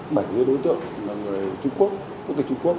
bảy đối tượng là người trung quốc quốc tịch trung quốc